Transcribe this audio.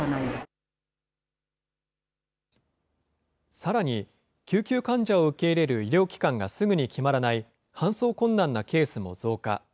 さらに、救急患者を受け入れる医療機関がすぐに決まらない搬送困難なケースも増加。